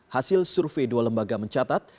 hasil survei dua lembaga mencatat